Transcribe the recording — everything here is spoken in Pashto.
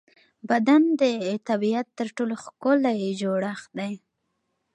بدن د طبیعت تر ټولو ښکلی جوړڻت دی.